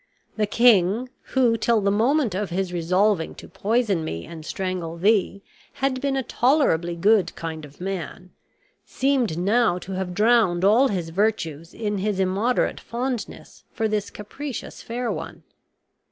The king, who till the moment of his resolving to poison me and strangle thee, had been a tolerably good kind of man, seemed now to have drowned all his virtues in his immoderate fondness for this capricious fair one.